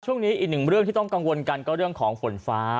ช่วงนี้อีกหนึ่งเรื่องที่ต้องกังวลกันก็เรื่องของฝนฟ้า